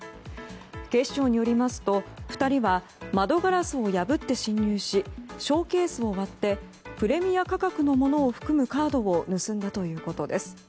警視庁によりますと２人は窓ガラスを破って侵入しショーケースを割ってプレミア価格のものを含むカードを盗んだということです。